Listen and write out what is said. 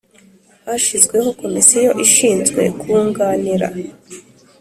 Hashyizweho Komisiyo ishinzwe kunganira